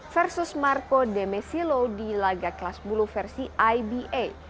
versus marco demesilo di laga kelas bulu versi iba